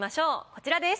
こちらです。